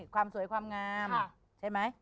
ความสวยความงามใช่ไหม